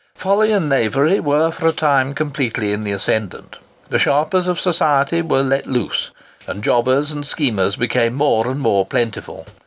Folly and knavery were, for a time, completely in the ascendant. The sharpers of society were let loose, and jobbers and schemers became more and more plentiful.